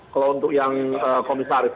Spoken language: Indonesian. kalau untuk yang komisaris